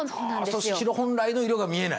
城本来の色が見えない。